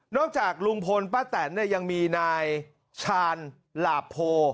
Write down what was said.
จากลุงพลป้าแตนเนี่ยยังมีนายชาญหลาโพ